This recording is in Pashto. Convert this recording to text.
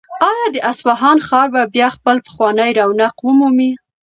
آیا د اصفهان ښار به بیا خپل پخوانی رونق ومومي؟